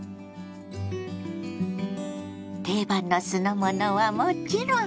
定番の酢の物はもちろん！